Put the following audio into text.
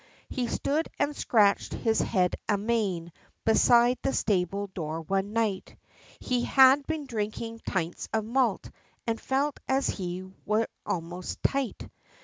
He stood and scratched his head amain, beside the stable door one night; He had been drinking tints of malt, and felt as he were almost tight.